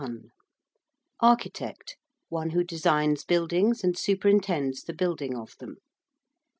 ~Architect~: one who designs buildings and superintends the building of them.